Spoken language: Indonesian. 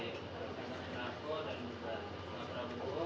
tidak pernah kerja dengan pak ketri